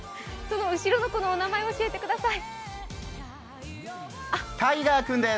後ろの子のお名前教えてください。